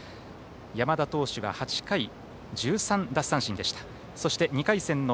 山田投手は８回１３奪三振でした。